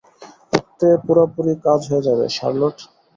এতে পুরোপুরি কাজ হয়ে যাবে, শার্লোট।